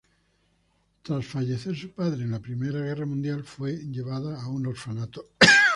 Tras fallecer su padre en la primera guerra mundial, fue llevada a un orfanato.